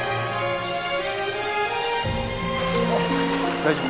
大丈夫か？